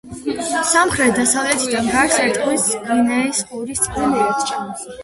სამხრეთ-დასავლეთიდან გარს ერტყმის გვინეის ყურის წყლები.